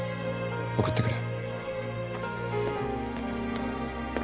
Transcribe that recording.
送ってくる。